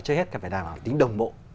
trước hết các bài đảng là tính đồng bộ